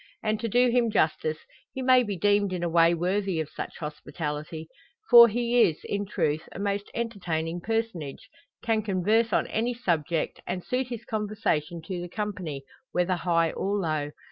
And, to do him justice, he may be deemed in a way worthy of such hospitality; for he is, in truth, a most entertaining personage; can converse on any subject, and suit his conversation to the company, whether high or low.